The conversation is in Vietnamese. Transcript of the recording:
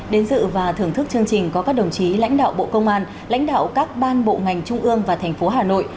đến dự và thưởng thức chương trình có các đồng chí lãnh đạo bộ công an lãnh đạo các ban bộ ngành trung ương và thành phố hà nội